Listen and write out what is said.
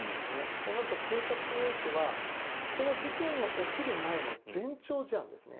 そうなると警察においてはこの事件が起きる前の前兆事案ですね